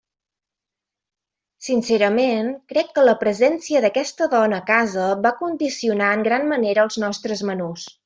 Sincerament, crec que la presència d'aquesta dona a casa va condicionar en gran manera els nostres menús.